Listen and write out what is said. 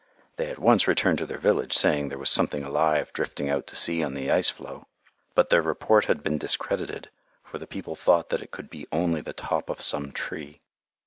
They at once returned to their village, saying there was something alive drifting out to sea on the floe ice. But their report had been discredited, for the people thought that it could be only the top of some tree.